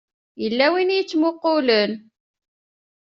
Yella win i yettmuqqulen.